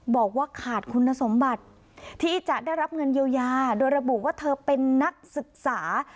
บอกว่าขาดคุณสมบัติที่จะได้รับเงินเยียวยาโดยระบุว่าเธอเป็นนักศึกษา